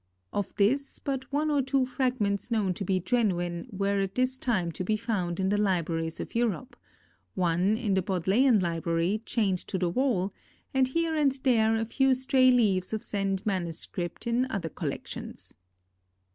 Of this, but one or two fragments known to be genuine were at this time to be found in the libraries of Europe; one in the Bodleian Library, chained to the wall, and here and there a few stray leaves of Zend manuscript in other collections.